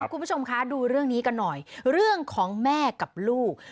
คุณผู้ชมคะดูเรื่องนี้กันหน่อยเรื่องของแม่กับลูก